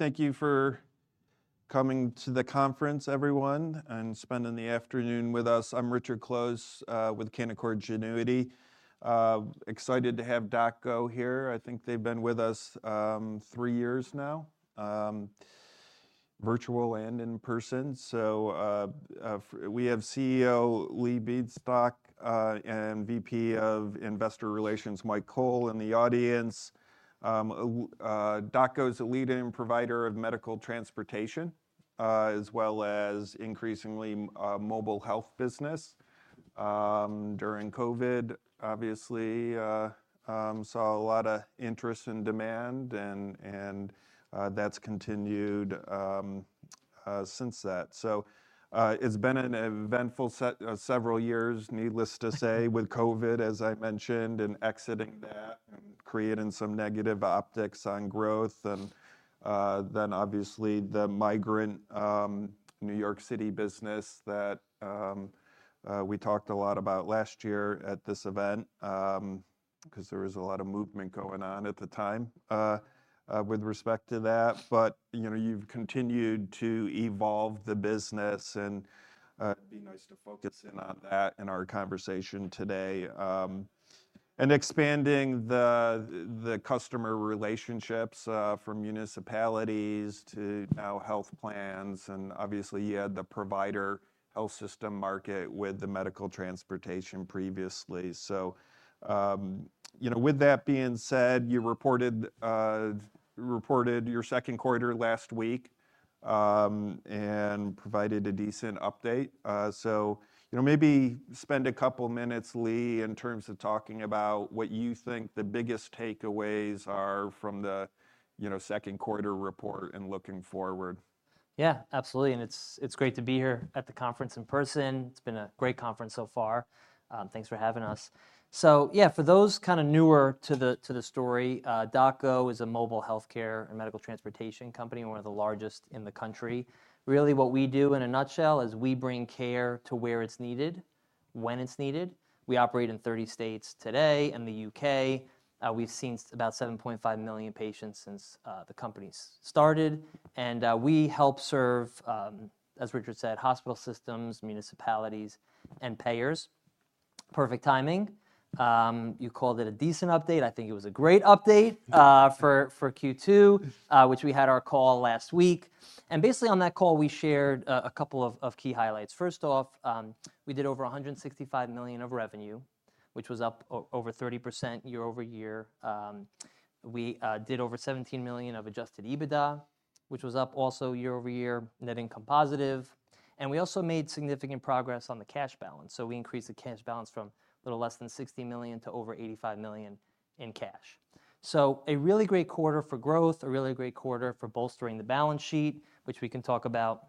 Thank you for coming to the conference, everyone, and spending the afternoon with us. I'm Richard Close with Canaccord Genuity. Excited to have DocGo here. I think they've been with us three years now, virtual and in person. We have CEO Lee Bienstock and VP of Investor Relations, Mike Cole, in the audience. DocGo is a leading provider of medical transportation as well as increasingly mobile health business. During COVID, obviously, saw a lot of interest and demand, and that's continued since that. So, it's been an eventful several years, needless to say, with COVID, as I mentioned, and exiting that and creating some negative optics on growth and, then obviously the migrant, New York City business that, we talked a lot about last year at this event. 'Cause there was a lot of movement going on at the time, with respect to that. But, you know, you've continued to evolve the business, and, it'd be nice to focus in on that in our conversation today. And expanding the customer relationships, from municipalities to now health plans, and obviously, you had the provider health system market with the medical transportation previously. So, you know, with that being said, you reported your second quarter last week, and provided a decent update. So, you know, maybe spend a couple minutes, Lee, in terms of talking about what you think the biggest takeaways are from the, you know, second quarter report and looking forward. Yeah, absolutely, and it's great to be here at the conference in person. It's been a great conference so far. Thanks for having us. So yeah, for those kind of newer to the story, DocGo is a mobile healthcare and medical transportation company, one of the largest in the country. Really, what we do in a nutshell is we bring care to where it's needed, when it's needed. We operate in 30 states today and the U.K. We've seen about 7.5 million patients since the company started, and we help serve, as Richard said, hospital systems, municipalities, and payers. Perfect timing. You called it a decent update. I think it was a great update for Q2, which we had our call last week, and basically on that call, we shared a couple of key highlights. First off, we did over $165 million of revenue, which was up over 30% year-over-year. We did over $17 million of adjusted EBITDA, which was up also year-over-year, net income positive, and we also made significant progress on the cash balance. So we increased the cash balance from a little less than $60 million to over $85 million in cash. So a really great quarter for growth, a really great quarter for bolstering the balance sheet, which we can talk about,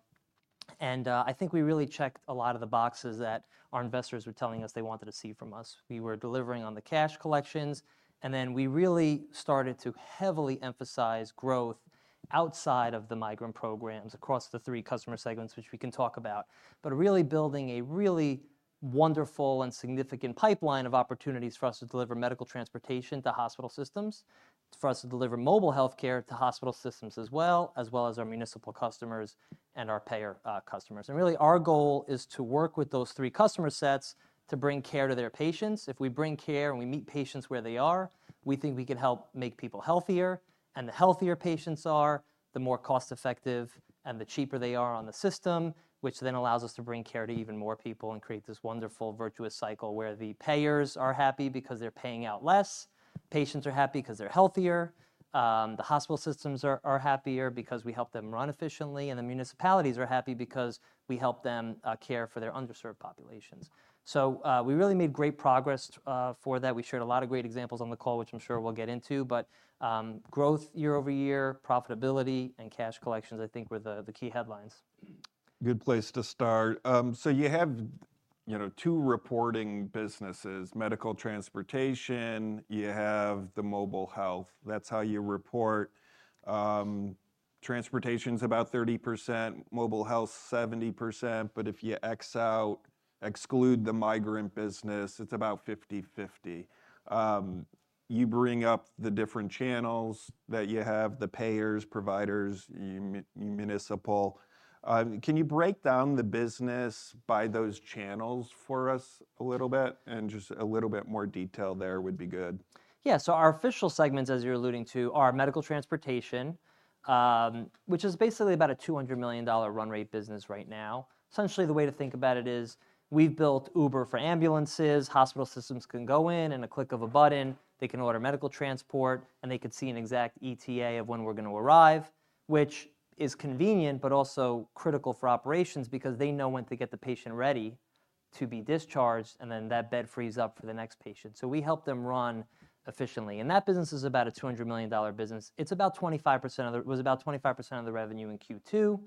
and I think we really checked a lot of the boxes that our investors were telling us they wanted to see from us. We were delivering on the cash collections, and then we really started to heavily emphasize growth outside of the migrant programs across the three customer segments, which we can talk about. But really building a really wonderful and significant pipeline of opportunities for us to deliver medical transportation to hospital systems, for us to deliver mobile healthcare to hospital systems as well, as well as our municipal customers and our payer, customers. And really, our goal is to work with those three customer sets to bring care to their patients. If we bring care and we meet patients where they are, we think we can help make people healthier, and the healthier patients are, the more cost-effective and the cheaper they are on the system, which then allows us to bring care to even more people and create this wonderful virtuous cycle where the payers are happy because they're paying out less, patients are happy 'cause they're healthier, the hospital systems are happier because we help them run efficiently, and the municipalities are happy because we help them care for their underserved populations. So, we really made great progress for that. We shared a lot of great examples on the call, which I'm sure we'll get into, but, growth year-over-year, profitability, and cash collections, I think, were the key headlines. Good place to start. So you have, you know, two reporting businesses, medical transportation, you have the mobile health. That's how you report. Transportation's about 30%, mobile health, 70%, but if you X out, exclude the migrant business, it's about 50/50. You bring up the different channels that you have, the payers, providers, municipal. Can you break down the business by those channels for us a little bit? Just a little bit more detail there would be good. Yeah, so our official segments, as you're alluding to, are medical transportation, which is basically about a $200 million run rate business right now. Essentially, the way to think about it is, we've built Uber for ambulances. Hospital systems can go in, in a click of a button, they can order medical transport, and they can see an exact ETA of when we're gonna arrive, which is convenient, but also critical for operations because they know when to get the patient ready to be discharged, and then that bed frees up for the next patient. So we help them run efficiently, and that business is about a $200 million business. It's about 25% of the-- It was about 25% of the revenue in Q2.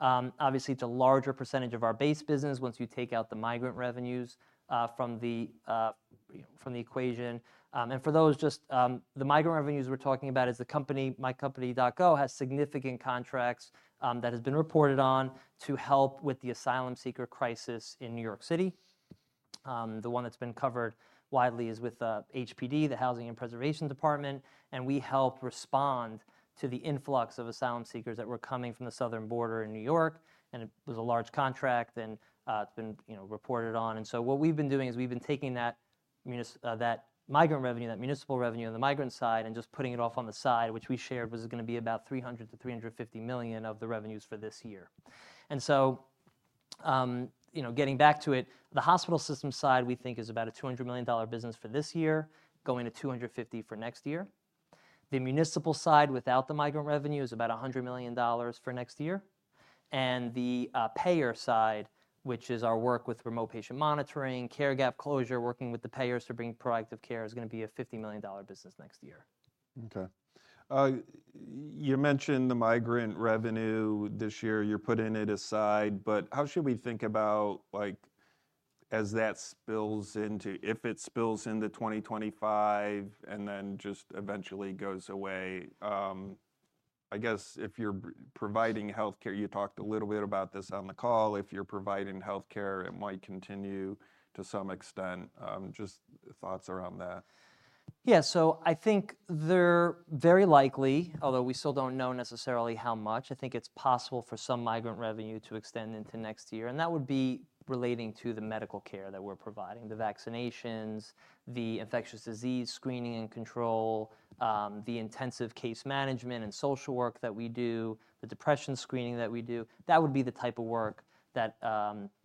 Obviously, it's a larger percentage of our base business once you take out the migrant revenues from the, you know, from the equation. For those just, the migrant revenues we're talking about is the company, my company, DocGo, has significant contracts that has been reported on to help with the asylum seeker crisis in New York City. The one that's been covered widely is with HPD, the Department of Housing Preservation and Development, and we helped respond to the influx of asylum seekers that were coming from the southern border in New York, and it was a large contract, and it's been, you know, reported on. And so what we've been doing is we've been taking that migrant revenue, that municipal revenue on the migrant side, and just putting it off on the side, which we shared was gonna be about $300 million-$350 million of the revenues for this year. And so, you know, getting back to it, the hospital system side, we think, is about a $200 million business for this year, going to $250 million for next year. The municipal side, without the migrant revenue, is about $100 million for next year, and the payer side, which is our work with remote patient monitoring, care gap closure, working with the payers for bringing proactive care, is gonna be a $50 million business next year. Okay. You mentioned the migrant revenue this year. You're putting it aside, but how should we think about, like, as that spills into... If it spills into 2025, and then just eventually goes away, I guess if you're providing healthcare, you talked a little bit about this on the call, if you're providing healthcare, it might continue to some extent. Just thoughts around that. Yeah, so I think they're very likely, although we still don't know necessarily how much, I think it's possible for some migrant revenue to extend into next year, and that would be relating to the medical care that we're providing, the vaccinations, the infectious disease screening and control, the intensive case management and social work that we do, the depression screening that we do. That would be the type of work that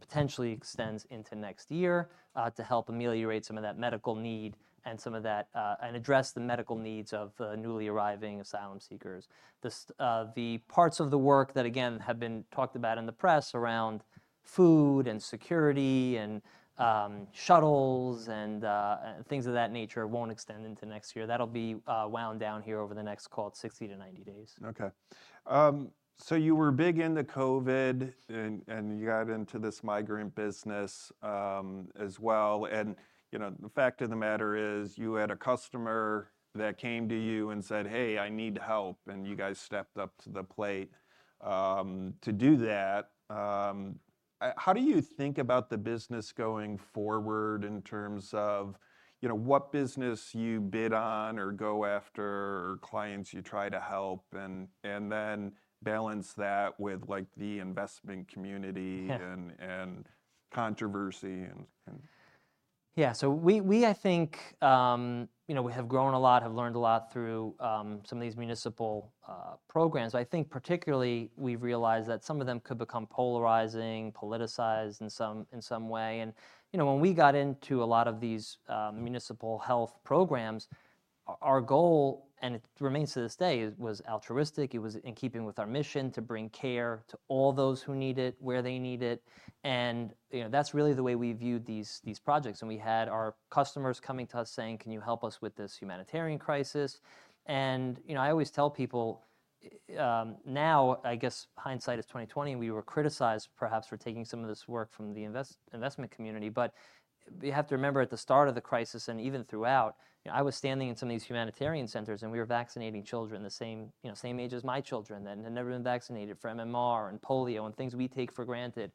potentially extends into next year, to help ameliorate some of that medical need and some of that, and address the medical needs of newly arriving asylum seekers. The parts of the work that, again, have been talked about in the press around food and security, and shuttles and things of that nature won't extend into next year. That'll be wound down here over the next, call it 60-90 days. Okay. So you were big into COVID, and, and you got into this migrant business, as well, and, you know, the fact of the matter is, you had a customer that came to you and said, "Hey, I need help," and you guys stepped up to the plate, to do that. How do you think about the business going forward in terms of, you know, what business you bid on or go after, or clients you try to help, and, and then balance that with, like, the investment community- Yeah... and controversy... Yeah, so we, I think, you know, we have grown a lot, have learned a lot through some of these municipal programs. I think particularly we've realized that some of them could become polarizing, politicized in some way, and, you know, when we got into a lot of these municipal health programs, our goal, and it remains to this day, it was altruistic, it was in keeping with our mission to bring care to all those who need it, where they need it, and, you know, that's really the way we viewed these projects. And we had our customers coming to us, saying: Can you help us with this humanitarian crisis? And, you know, I always tell people, now, I guess hindsight is 2020, and we were criticized, perhaps, for taking some of this work from the investment community. But you have to remember, at the start of the crisis, and even throughout, you know, I was standing in some of these humanitarian centers, and we were vaccinating children the same, you know, same age as my children, and they'd never been vaccinated for MMR and polio and things we take for granted.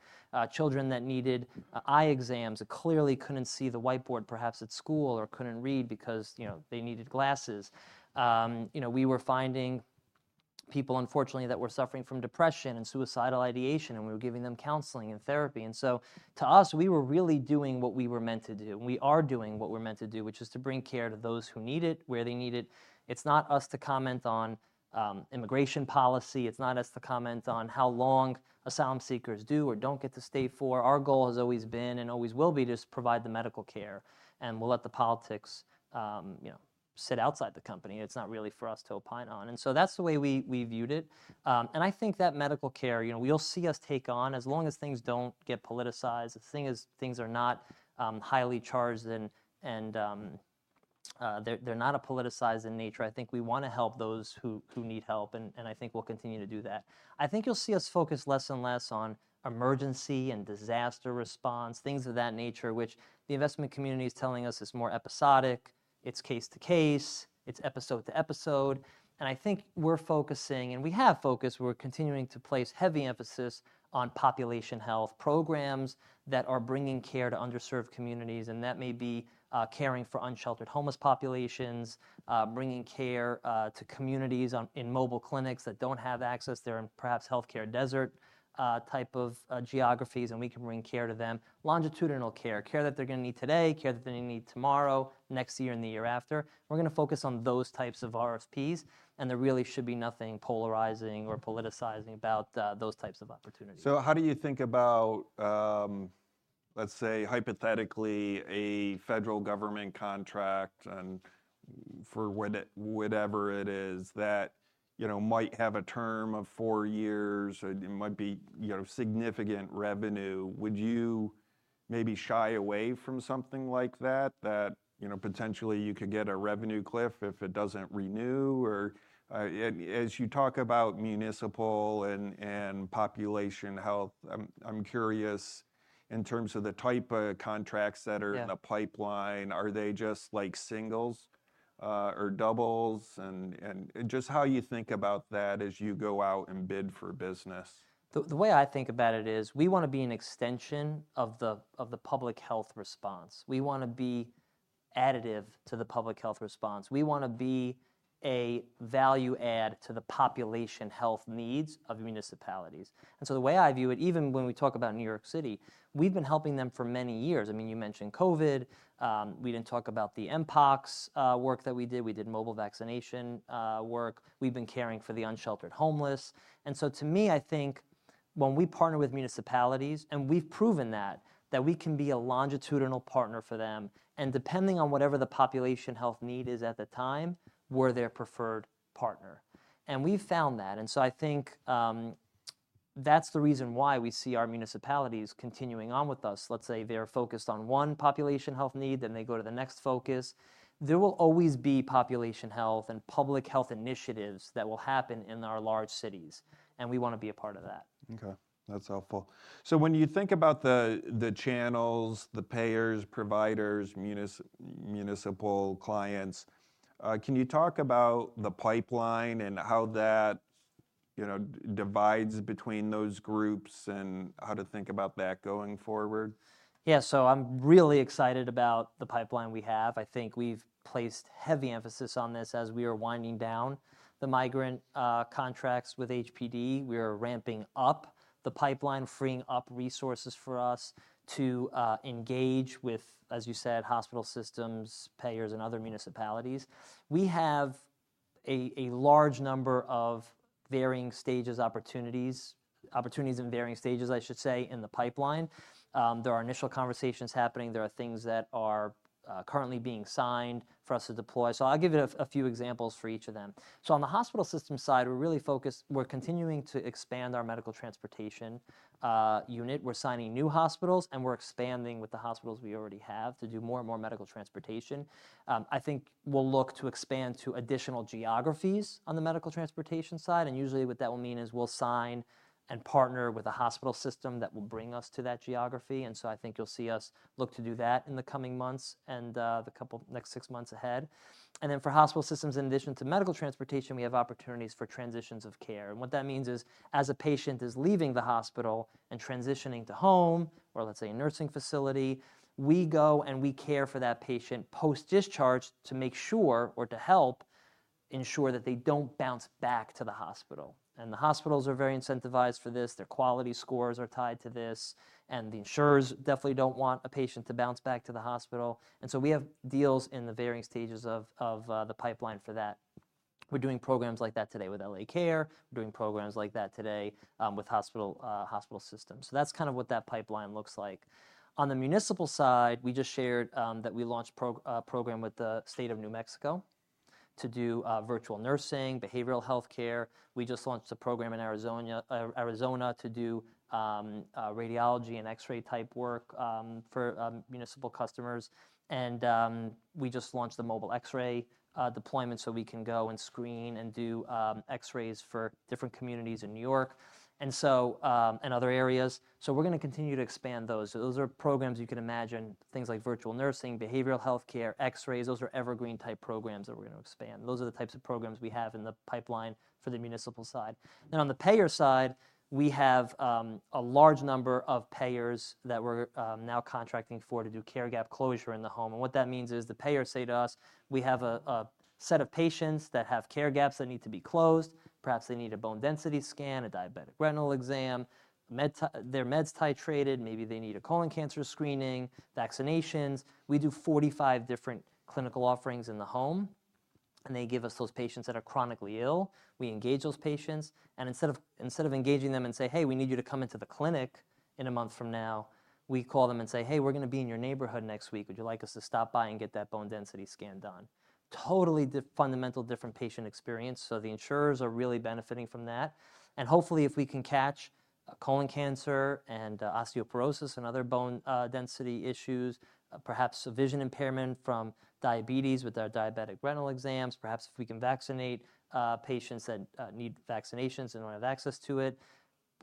Children that needed eye exams, that clearly couldn't see the whiteboard, perhaps, at school or couldn't read because, you know, they needed glasses. You know, we were finding people, unfortunately, that were suffering from depression and suicidal ideation, and we were giving them counseling and therapy. And so, to us, we were really doing what we were meant to do, and we are doing what we're meant to do, which is to bring care to those who need it, where they need it. It's not us to comment on immigration policy. It's not us to comment on how long asylum seekers do or don't get to stay for. Our goal has always been, and always will be, to just provide the medical care, and we'll let the politics, you know, sit outside the company. It's not really for us to opine on. And so that's the way we viewed it. And I think that medical care, you know, you'll see us take on, as long as things don't get politicized, the thing is, things are not highly charged and they're not politicized in nature, I think we wanna help those who need help, and I think we'll continue to do that. I think you'll see us focus less and less on emergency and disaster response, things of that nature, which the investment community is telling us is more episodic, it's case to case, it's episode to episode, and I think we're focusing, and we have focused, we're continuing to place heavy emphasis on population health programs that are bringing care to underserved communities, and that may be, caring for unsheltered homeless populations, bringing care, to communities, in mobile clinics that don't have access. They're in, perhaps, healthcare desert, type of, geographies, and we can bring care to them. Longitudinal care, care that they're gonna need today, care that they're gonna need tomorrow, next year and the year after. We're gonna focus on those types of RFPs, and there really should be nothing polarizing or politicizing about, those types of opportunities. So how do you think about, let's say, hypothetically, a federal government contract and for whatever it is, that, you know, might have a term of four years, or it might be, you know, significant revenue? Would you maybe shy away from something like that, that, you know, potentially you could get a revenue cliff if it doesn't renew? Or, as you talk about municipal and population health, I'm curious, in terms of the type of contracts that are- Yeah... in the pipeline, are they just like singles?... or doubles, and, and just how you think about that as you go out and bid for business? The way I think about it is, we wanna be an extension of the public health response. We wanna be additive to the public health response. We wanna be a value add to the population health needs of municipalities. And so the way I view it, even when we talk about New York City, we've been helping them for many years. I mean, you mentioned COVID, we didn't talk about the mpox work that we did. We did mobile vaccination work. We've been caring for the unsheltered homeless, and so to me, I think when we partner with municipalities, and we've proven that, that we can be a longitudinal partner for them, and depending on whatever the population health need is at the time, we're their preferred partner. We've found that, and so I think, that's the reason why we see our municipalities continuing on with us. Let's say they're focused on one population health need, then they go to the next focus, there will always be population health and public health initiatives that will happen in our large cities, and we wanna be a part of that. Okay. That's helpful. So when you think about the channels, the payers, providers, municipal clients, can you talk about the pipeline and how that, you know, divides between those groups and how to think about that going forward? Yeah, so I'm really excited about the pipeline we have. I think we've placed heavy emphasis on this as we are winding down the migrant contracts with HPD. We are ramping up the pipeline, freeing up resources for us to engage with, as you said, hospital systems, payers, and other municipalities. We have a large number of varying stages opportunities, opportunities in varying stages, I should say, in the pipeline. There are initial conversations happening. There are things that are currently being signed for us to deploy. So I'll give you a few examples for each of them. So on the hospital system side, we're really focused- we're continuing to expand our medical transportation unit. We're signing new hospitals, and we're expanding with the hospitals we already have to do more and more medical transportation. I think we'll look to expand to additional geographies on the medical transportation side, and usually, what that will mean is we'll sign and partner with a hospital system that will bring us to that geography, and so I think you'll see us look to do that in the coming months and next six months ahead. Then for hospital systems, in addition to medical transportation, we have opportunities for transitions of care, and what that means is, as a patient is leaving the hospital and transitioning to home, or let's say a nursing facility, we go, and we care for that patient post-discharge to make sure or to help ensure that they don't bounce back to the hospital. The hospitals are very incentivized for this. Their quality scores are tied to this, and the insurers definitely don't want a patient to bounce back to the hospital, and so we have deals in the varying stages of the pipeline for that. We're doing programs like that today with L.A. Care. We're doing programs like that today with hospital systems, so that's kind of what that pipeline looks like. On the municipal side, we just shared that we launched a program with the state of New Mexico to do virtual nursing, behavioral healthcare. We just launched a program in Arizona to do radiology and X-ray type work for municipal customers, and we just launched the mobile X-ray deployment, so we can go and screen and do X-rays for different communities in New York, and so and other areas. So we're gonna continue to expand those. So those are programs you can imagine, things like virtual nursing, behavioral healthcare, X-rays, those are evergreen-type programs that we're gonna expand. Those are the types of programs we have in the pipeline for the municipal side. Then, on the payer side, we have a large number of payers that we're now contracting for, to do care gap closure in the home, and what that means is the payers say to us, "We have a set of patients that have care gaps that need to be closed. Perhaps they need a bone density scan, a diabetic retinal exam, their meds titrated. Maybe they need a colon cancer screening, vaccinations." We do 45 different clinical offerings in the home, and they give us those patients that are chronically ill. We engage those patients, and instead of, instead of engaging them and say, "Hey, we need you to come into the clinic in a month from now," we call them and say, "Hey, we're gonna be in your neighborhood next week. Would you like us to stop by and get that bone density scan done?" Totally fundamental different patient experience, so the insurers are really benefiting from that, and hopefully, if we can catch colon cancer and osteoporosis and other bone density issues, perhaps vision impairment from diabetes with our diabetic retinal exams, perhaps if we can vaccinate patients that need vaccinations and don't have access to it,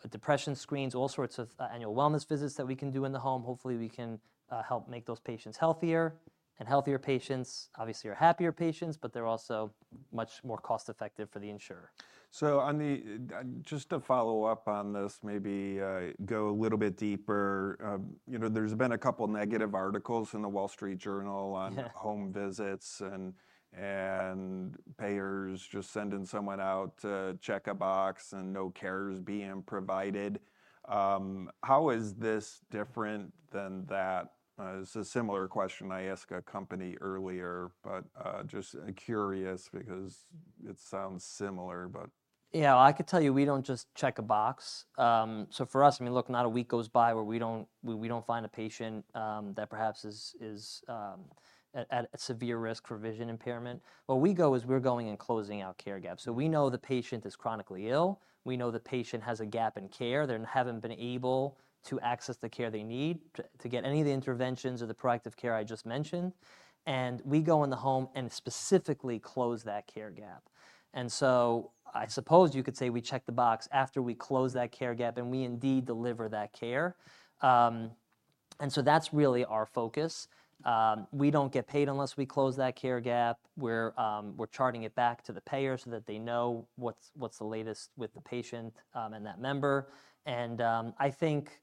depression screens, all sorts of annual wellness visits that we can do in the home, hopefully, we can help make those patients healthier. Healthier patients, obviously, are happier patients, but they're also much more cost-effective for the insurer. So, just to follow up on this, maybe go a little bit deeper. You know, there's been a couple negative articles in The Wall Street Journal- Yeah... on home visits and payers just sending someone out to check a box, and no care is being provided. How is this different than that? It's a similar question I asked a company earlier, but just curious because it sounds similar, but- Yeah, I could tell you, we don't just check a box. So for us, I mean, look, not a week goes by where we don't find a patient that perhaps is at severe risk for vision impairment. Where we go is, we're going and closing out care gaps, so we know the patient is chronically ill. We know the patient has a gap in care. They haven't been able to access the care they need to get any of the interventions or the proactive care I just mentioned, and we go in the home and specifically close that care gap. And so I suppose you could say we check the box after we close that care gap, and we indeed deliver that care. And so that's really our focus. We don't get paid unless we close that care gap. We're charting it back to the payer so that they know what's the latest with the patient, and that member. I think,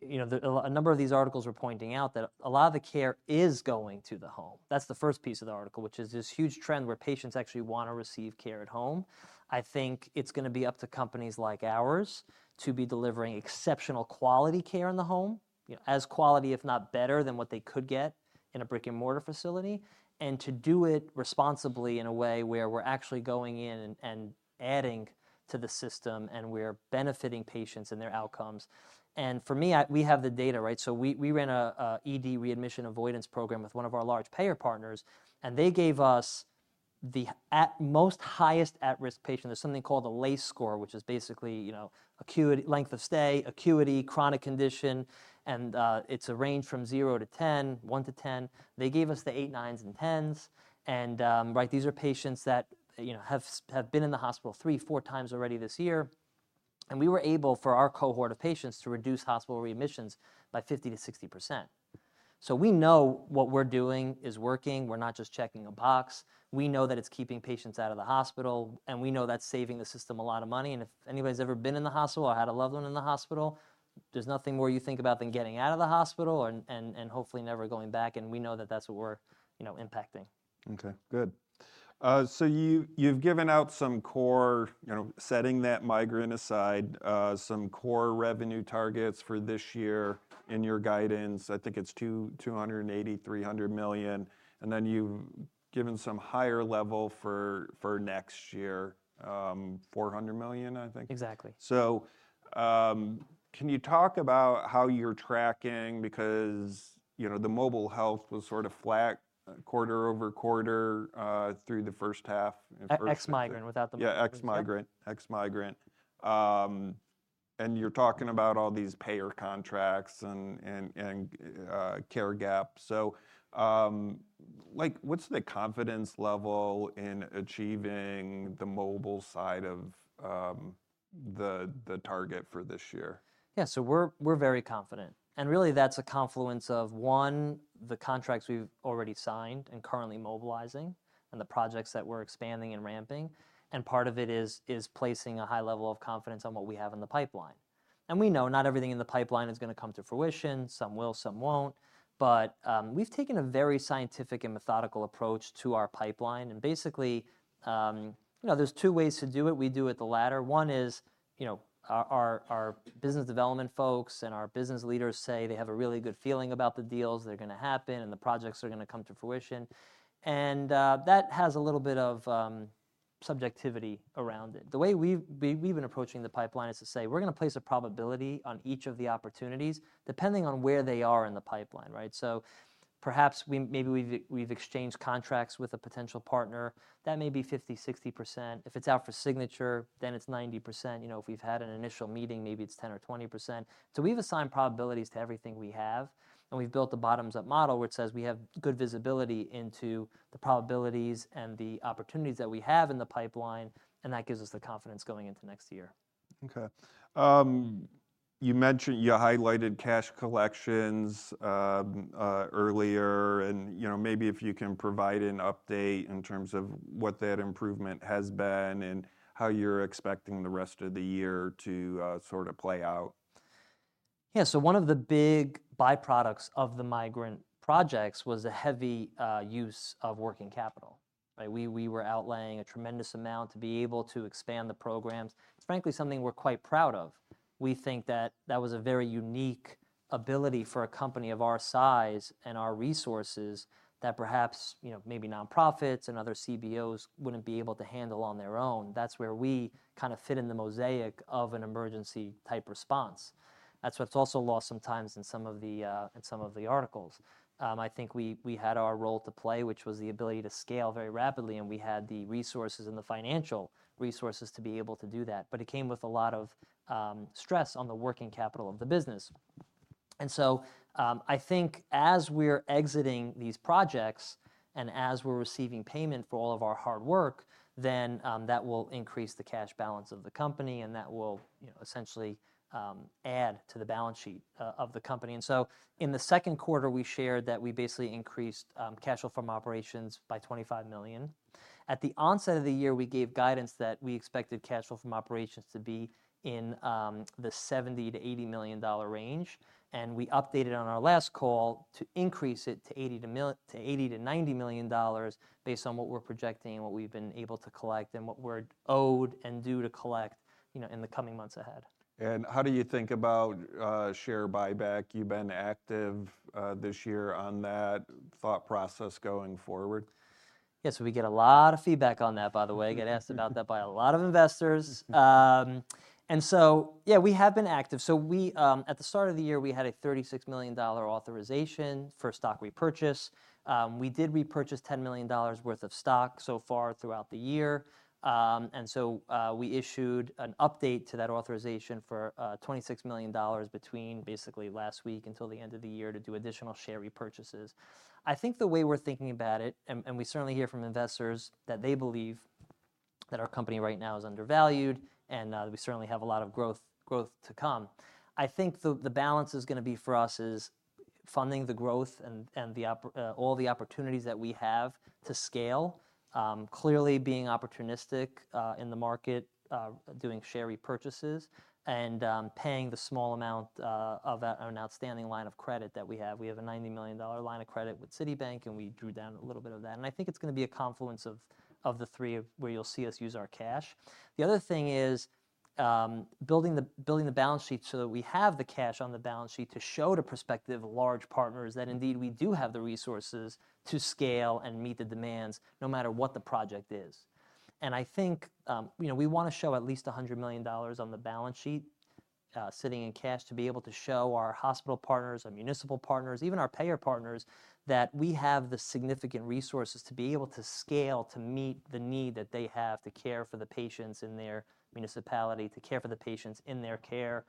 you know, a number of these articles are pointing out that a lot of the care is going to the home. That's the first piece of the article, which is this huge trend where patients actually wanna receive care at home. I think it's gonna be up to companies like ours to be delivering exceptional quality care in the home, you know, as quality, if not better, than what they could get in a brick-and-mortar facility, and to do it responsibly in a way where we're actually going in and adding to the system, and we're benefiting patients and their outcomes. And for me, we have the data, right? So we ran a ED readmission avoidance program with one of our large payer partners, and they gave us the at most highest at-risk patient. There's something called the LACE score, which is basically, you know, acuity, length of stay, acuity, chronic condition, and it's a range from 0 to 10, 1 to 10. They gave us the 8, 9s, and 10s, and right, these are patients that, you know, have been in the hospital three-four times already this year, and we were able, for our cohort of patients, to reduce hospital readmissions by 50%-60%. So we know what we're doing is working, we're not just checking a box. We know that it's keeping patients out of the hospital, and we know that's saving the system a lot of money. If anybody's ever been in the hospital or had a loved one in the hospital, there's nothing more you think about than getting out of the hospital and hopefully never going back, and we know that that's what we're, you know, impacting. Okay, good. So you've given out some core, you know, setting that migrant aside, some core revenue targets for this year in your guidance. I think it's $280-$300 million, and then you've given some higher level for next year, $400 million, I think? Exactly. So, can you talk about how you're tracking? Because, you know, the mobile health was sort of flat quarter-over-quarter through the first half, at first- Ex-migrant without the- Yeah, ex-migrant. Ex-migrant. And you're talking about all these payer contracts and care gap. So, like, what's the confidence level in achieving the mobile side of the target for this year? Yeah, so we're very confident, and really that's a confluence of one, the contracts we've already signed and currently mobilizing and the projects that we're expanding and ramping, and part of it is placing a high level of confidence on what we have in the pipeline. And we know not everything in the pipeline is gonna come to fruition, some will, some won't, but we've taken a very scientific and methodical approach to our pipeline, and basically, you know, there's two ways to do it, we do it the latter. One is, you know, our business development folks and our business leaders say they have a really good feeling about the deals that are gonna happen, and the projects are gonna come to fruition, and that has a little bit of subjectivity around it. The way we've been approaching the pipeline is to say: We're gonna place a probability on each of the opportunities, depending on where they are in the pipeline, right? So perhaps we've exchanged contracts with a potential partner. That may be 50%-60%. If it's out for signature, then it's 90%. You know, if we've had an initial meeting, maybe it's 10% or 20%. So we've assigned probabilities to everything we have, and we've built a bottoms-up model, which says we have good visibility into the probabilities and the opportunities that we have in the pipeline, and that gives us the confidence going into next year. Okay. You mentioned you highlighted cash collections earlier, and you know, maybe if you can provide an update in terms of what that improvement has been and how you're expecting the rest of the year to sort of play out? Yeah, so one of the big byproducts of the migrant projects was the heavy use of working capital, right? We, we were outlaying a tremendous amount to be able to expand the programs. It's frankly, something we're quite proud of. We think that that was a very unique ability for a company of our size and our resources, that perhaps, you know, maybe nonprofits and other CBOs wouldn't be able to handle on their own. That's where we kind of fit in the mosaic of an emergency type response. That's what's also lost sometimes in some of the, in some of the articles. I think we had our role to play, which was the ability to scale very rapidly, and we had the resources and the financial resources to be able to do that, but it came with a lot of stress on the working capital of the business. And so, I think as we're exiting these projects and as we're receiving payment for all of our hard work, then that will increase the cash balance of the company, and that will, you know, essentially add to the balance sheet of the company. And so in the second quarter, we shared that we basically increased cash flow from operations by $25 million. At the onset of the year, we gave guidance that we expected cash flow from operations to be in the $70-$80 million range, and we updated on our last call to increase it to $80-$90 million, based on what we're projecting and what we've been able to collect and what we're owed and due to collect, you know, in the coming months ahead. How do you think about share buyback? You've been active this year on that. Thought process going forward? Yes, we get a lot of feedback on that, by the way. I get asked about that by a lot of investors. And so yeah, we have been active. So we at the start of the year, we had a $36 million authorization for stock repurchase. We did repurchase $10 million worth of stock so far throughout the year. And so we issued an update to that authorization for $26 million between basically last week until the end of the year to do additional share repurchases. I think the way we're thinking about it, and we certainly hear from investors, that they believe that our company right now is undervalued, and we certainly have a lot of growth, growth to come. I think the balance is gonna be for us is funding the growth and the oppor... All the opportunities that we have to scale. Clearly being opportunistic in the market, doing share repurchases, and paying the small amount of an outstanding line of credit that we have. We have a $90 million line of credit with Citibank, and we drew down a little bit of that. And I think it's gonna be a confluence of the three where you'll see us use our cash. The other thing is, building the balance sheet so that we have the cash on the balance sheet to show to prospective large partners that indeed we do have the resources to scale and meet the demands, no matter what the project is. I think, you know, we wanna show at least $100 million on the balance sheet, sitting in cash, to be able to show our hospital partners, our municipal partners, even our payer partners, that we have the significant resources to be able to scale to meet the need that they have to care for the patients in their municipality, to care for the patients in their care.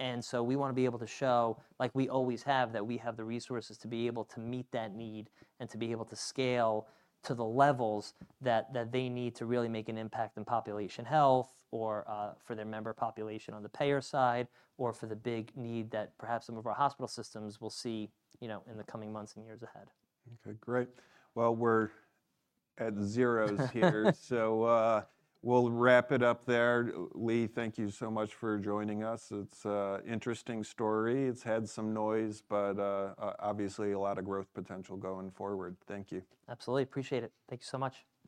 And so we wanna be able to show, like we always have, that we have the resources to be able to meet that need and to be able to scale to the levels that they need to really make an impact in population health or, for their member population on the payer side, or for the big need that perhaps some of our hospital systems will see, you know, in the coming months and years ahead. Okay, great. Well, we're at zeros here. So, we'll wrap it up there. Lee, thank you so much for joining us. It's a interesting story. It's had some noise, but, obviously a lot of growth potential going forward. Thank you. Absolutely, appreciate it. Thank you so much.